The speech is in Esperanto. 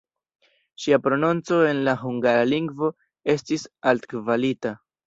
Ŝia prononco en la hungara lingvo estis altkvalita.